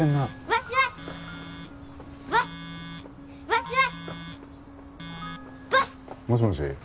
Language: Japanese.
もしもし？